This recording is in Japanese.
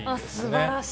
すばらしい。